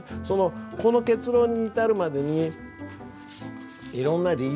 この結論に至るまでにいろんな理由を書いてる訳。